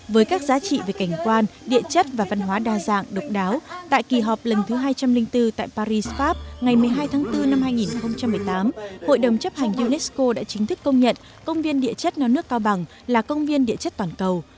với các giá trị về cảnh quan địa chất và văn hóa đa dạng độc đáo tại kỳ họp lần thứ hai trăm linh bốn tại paris pháp ngày một mươi hai tháng bốn năm hai nghìn một mươi tám hội đồng chấp hành unesco đã chính thức công nhận công viên địa chất non nước cao bằng là công viên địa chất toàn cầu